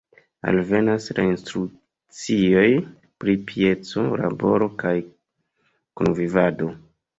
Alvenas la instrukcioj pri pieco, laboro kaj kunvivado.